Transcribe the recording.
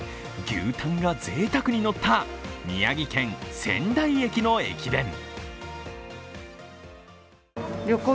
牛タンがぜいたくに乗った宮城県仙台駅の駅弁。